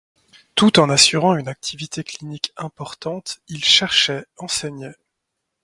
Tout en assurant une activité clinique importante, il cherchait, enseignait.